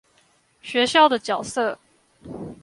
學校的角色